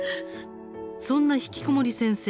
そんなひきこもり先生